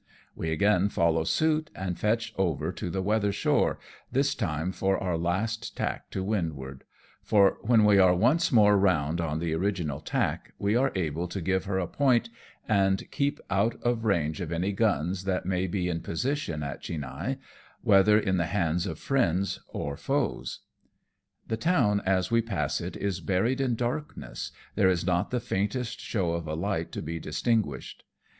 We again follow suit and fetch over to the weather shore, this time for our last tack to windward ; for when we are once more round on the original tack, we are able to give her a point, and keep out of range of any guns that may be 238 AMONG TYPHOONS AND PIRATE CRAFT in position at Chinhae, whether in the hands of friends or foes. The town as we pass it is buried in darkness, there is not the faintest show of a light to be distinguished.